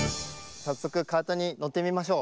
さっそくカートにのってみましょう。